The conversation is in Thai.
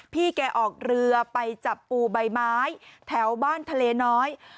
พี่แกออกเรือไปจับปูใบไม้แถวบ้านทะเลน้อย